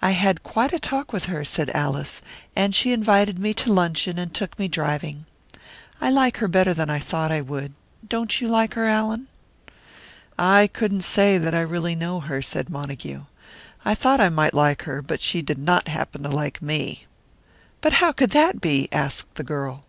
"I had quite a talk with her," said Alice. "And she invited me to luncheon, and took me driving. I like her better than I thought I would. Don't you like her, Allan?" "I couldn't say that I really know her," said Montague. "I thought I might like her, but she did not happen to like me." "But how could that be?" asked the girl.